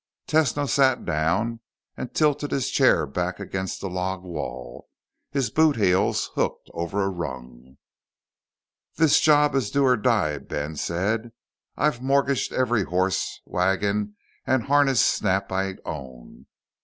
Tesno sat down and tilted his chair back against the log wall, his boot heels hooked over a rung. "This job is do or die," Ben said. "I've mortgaged every horse, wagon, and harness snap I own.